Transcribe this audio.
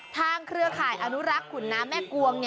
เครือข่ายอนุรักษ์ขุนน้ำแม่กวง